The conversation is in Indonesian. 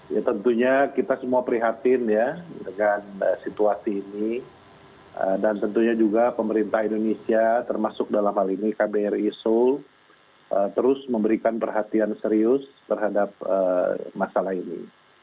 ya tentunya kita semua prihatin ya dengan situasi ini dan tentunya juga pemerintah indonesia termasuk dalam hal ini kbri seoul terus memberikan perhatian serius terhadap masalah ini